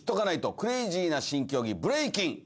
クレイジーな新競技ブレイキン」。